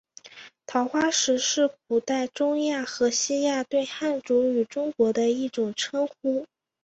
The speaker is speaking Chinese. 桃花石是古代中亚和西亚对汉族与中国的一种称呼。